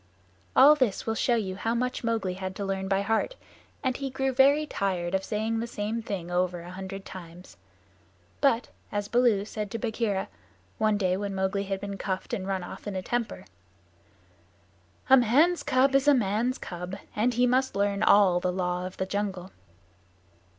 All this will show you how much Mowgli had to learn by heart, and he grew very tired of saying the same thing over a hundred times. But, as Baloo said to Bagheera, one day when Mowgli had been cuffed and run off in a temper, "A man's cub is a man's cub, and he must learn all the Law of the Jungle."